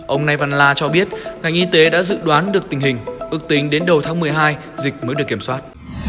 ông nai văn la cho biết ngành y tế đã dự đoán được tình hình ước tính đến đầu tháng một mươi hai dịch mới được kiểm soát